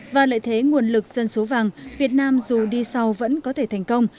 và lợi thế nguồn lực dân số vàng việt nam dù đi sau vẫn có thể thành công